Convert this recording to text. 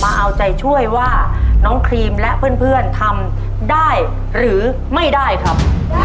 เอาใจช่วยว่าน้องครีมและเพื่อนทำได้หรือไม่ได้ครับ